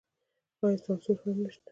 آیا سانسور هم نشته؟